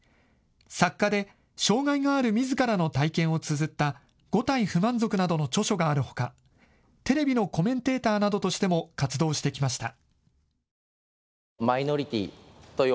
作家で障害があるみずからの体験をつづった五体不満足などの著書があるほかテレビのコメンテーターなどとしても活動してきました。